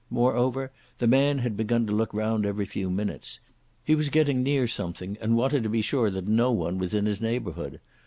Moreover, the man had begun to look round every few minutes. He was getting near something and wanted to be sure that no one was in his neighbourhood.